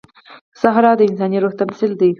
صحرا د انساني روح تمثیل دی.